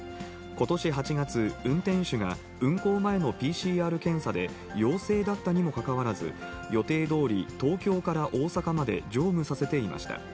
ことし８月、運転手が運行前のＰＣＲ検査で陽性だったにもかかわらず、予定どおり、東京から大阪まで乗務させていました。